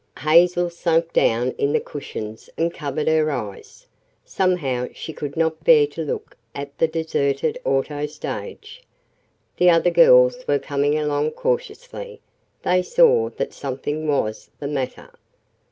Hazel sank down in the cushions and covered her eyes. Somehow she could not bear to look at the deserted auto stage. The other girls were coming along cautiously they saw that something was the matter.